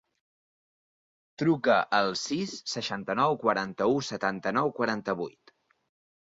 Truca al sis, seixanta-nou, quaranta-u, setanta-nou, quaranta-vuit.